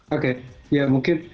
oke ya mungkin